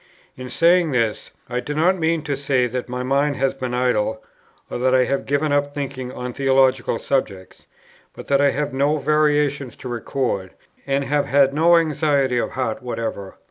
In saying this, I do not mean to say that my mind has been idle, or that I have given up thinking on theological subjects; but that I have had no variations to record, and have had no anxiety of heart whatever.